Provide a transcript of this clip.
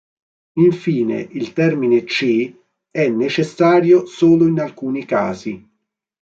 Infine il termine "C" è necessario solo in alcuni casi.